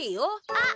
あっ！